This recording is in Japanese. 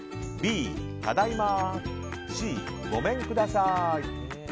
Ｂ、ただいまＣ、ごめんください。